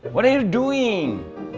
apa yang kamu lakukan